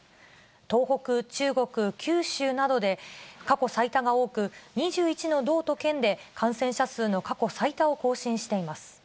東北、中国、九州などで過去最多が多く、２１の道と県で感染者数の過去最多を更新しています。